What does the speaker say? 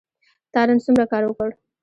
تا نن څومره کار وکړ ؟